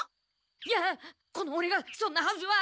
いやこのオレがそんなはずは。